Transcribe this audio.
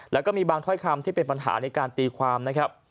แล้วก็มีบางถ้อยคำที่เป็นปัญหาในการตีความนะครับ